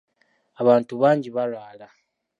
Abantu bangi balwala.